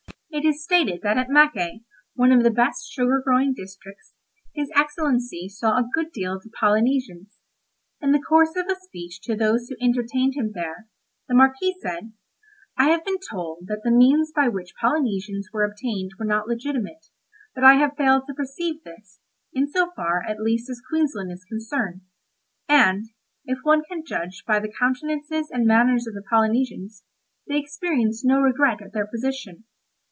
It is stated that at Mackay, one of the best sugar growing districts, his Excellency saw a good deal of the Polynesians. In the course of a speech to those who entertained him there, the Marquis said:—'I have been told that the means by which Polynesians were obtained were not legitimate, but I have failed to perceive this, in so far at least as Queensland is concerned; and, if one can judge by the countenances and manners of the Polynesians, they experience no regret at their position.